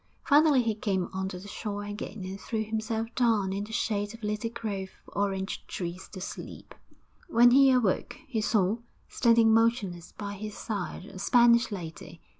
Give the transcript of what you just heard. Finally he came on to the shore again and threw himself down in the shade of a little grove of orange trees to sleep. When he awoke, he saw, standing motionless by his side, a Spanish lady.